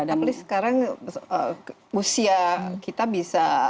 apalagi sekarang usia kita bisa